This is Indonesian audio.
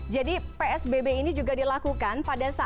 jadi psbb ini juga dilakukan